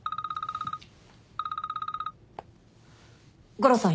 悟郎さん